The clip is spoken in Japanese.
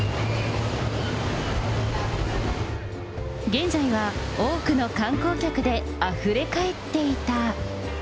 現在は多くの観光客であふれかえっていた。